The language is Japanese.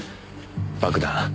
爆弾。